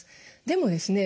でもですね